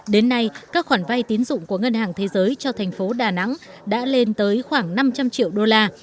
đến nay các khoản vay tín dụng của ngân hàng thế giới cho thành phố đà nẵng đã lên tới khoảng năm trăm linh triệu đô la